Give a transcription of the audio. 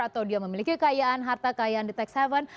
atau dia memiliki kayaan harta kayaan di tax haven